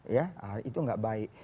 ya itu nggak baik